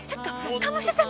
鴨志田さん！